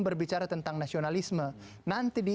berbicara tentang nasionalisme nanti di